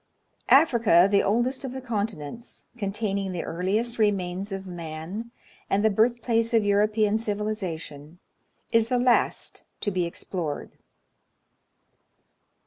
Africa, the oldest of the continents, containing the earliest remains of man, and the birthplace of European civilization, is the last to be explored.